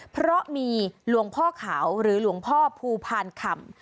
เพราะมีหลวงพ่อขาวหรือหลวงพ่อภูพานคำ